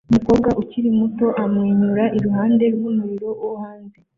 Umukobwa ukiri muto amwenyura iruhande rw'umuriro wo hanze